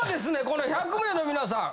この１００名の皆さん